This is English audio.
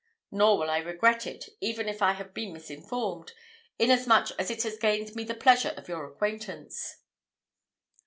Nor will I regret it, even if I have been misinformed, inasmuch as it has gained me the pleasure of your acquaintance."